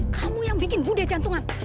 kamu yang bikin budaya jantungan